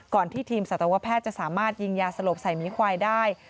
ที่ทีมสัตวแพทย์จะสามารถยิงยาสลบใส่หมีควายได้